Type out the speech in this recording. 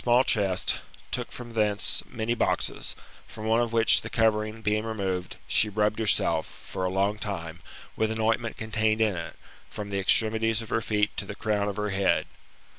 tits MBTAMbRPHOdlS, Ot chest, took from thence many boxes, from one of which the covering being removed, she rubbed herself, for a long time, with an ointment contained in it, from the extremities of her feet to the crown of her head.